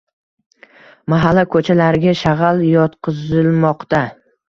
Mahalla ko‘chalariga shag‘al yotqizilmoqda